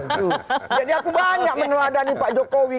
jadi aku banyak meneladani pak jokowi